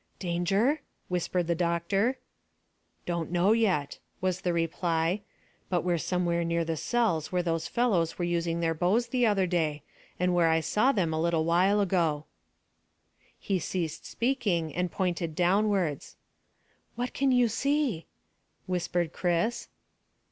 "Danger?" whispered the doctor. "Don't know yet," was the reply, "but we're somewhere near the cells where those fellows were using their bows the other day, and where I saw them a little while ago." He ceased speaking, and pointed downwards. "What can you see?" whispered Chris.